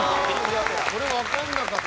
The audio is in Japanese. これわかんなかった。